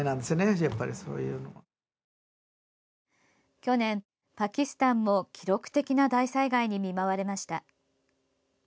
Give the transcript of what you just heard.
去年、パキスタンも記録的な大災害に見舞われました。